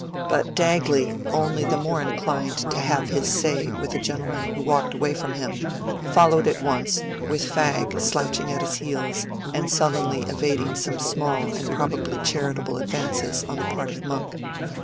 But Dagley, only the more inclined to "have his say" with a gentleman who walked away from him, followed at once, with Fag slouching at his heels and sullenly evading some small and probably charitable advances on the part of Monk.